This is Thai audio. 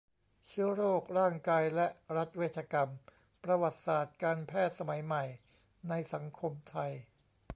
เชื้อโรค ร่างกาย และรัฐเวชกรรม ประวัติศาสตร์การแพทย์สมัยใหม่ในสังคมไทย